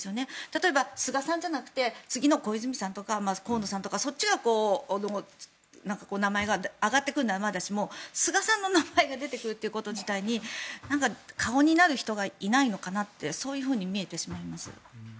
例えば、菅さんじゃなくて次の小泉さんとか河野さんとかそっちの名前が挙がってくるならまだしも菅さんの名前が出てくるということ自体に顔になる人がいないのかなとそういうふうに見えてしまいます。